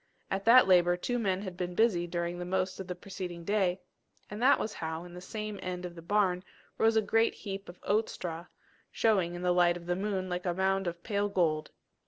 At that labour two men had been busy during the most of the preceding day, and that was how, in the same end of the barn, rose a great heap of oat straw, showing in the light of the moon like a mound of pale gold.